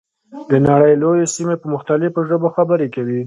د نړۍ لویې سیمې په مختلفو ژبو خبرې کوي.